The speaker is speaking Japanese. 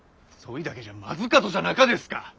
そいだけじゃまずかとじゃなかですか？